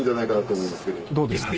どうですか？